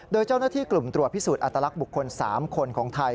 โดยเจ้าหน้าที่กลุ่มตรวจพิสูจนอัตลักษณ์บุคคล๓คนของไทย